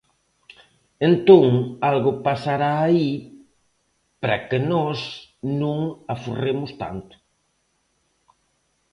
Entón algo pasará aí para que nós non aforremos tanto.